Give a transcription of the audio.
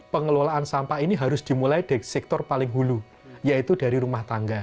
pengelolaan sampah ini harus dimulai dari sektor paling hulu yaitu dari rumah tangga